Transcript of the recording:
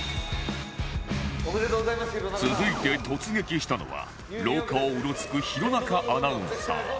続いて突撃したのは廊下をうろつく弘中アナウンサー